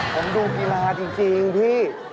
ผมดูกีฬาจริงพี่